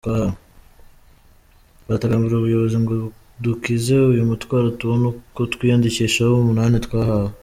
Turatakambira ubuyobozi ngo budukize uyu mutwaro tubone uko twiyandikishaho umunani twahawe.